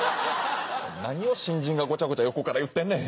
何を新人がごちゃごちゃ横から言ってんねん。